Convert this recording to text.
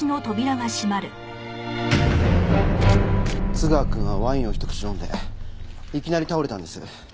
津川くんはワインをひと口飲んでいきなり倒れたんです。